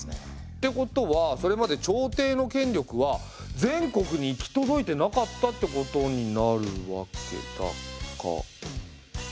ってことはそれまで朝廷の権力は全国に行き届いてなかったってことになるわけだか。